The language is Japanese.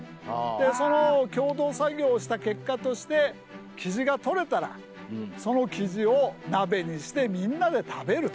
その共同作業をした結果としてキジがとれたらそのキジを鍋にしてみんなで食べると。